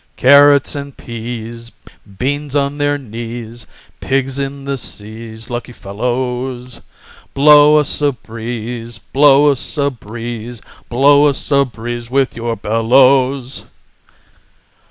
"Carrots and Peas, Beans on their knees, Pigs in the seas, Lucky fellows! Blow us a breeze, Blow us a breeze, Blow us a breeze, With your bellows."